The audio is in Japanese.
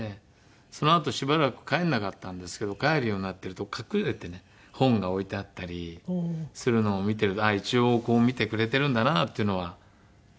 そのあとしばらく帰らなかったんですけど帰るようになってると隠れてね本が置いてあったりするのを見てると一応見てくれてるんだなっていうのは今もね。